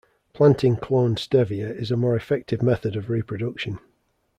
Planting cloned stevia is a more effective method of reproduction.